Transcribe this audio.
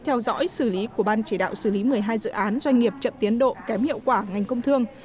theo dõi xử lý của ban chỉ đạo xử lý một mươi hai dự án doanh nghiệp chậm tiến độ kém hiệu quả ngành công thương